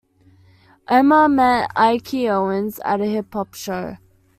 Omar met Ikey Owens at a hip hop show.